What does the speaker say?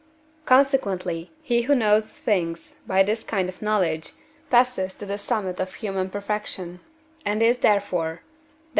consequently, he who knows things by this kind of knowledge passes to the summit of human perfection, and is therefore (Def.